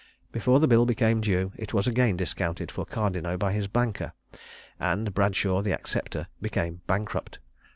Before the bill became due it was again discounted for Cardineaux by his banker, and Bradshaw, the acceptor, became bankrupt.